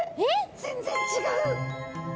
全然違う。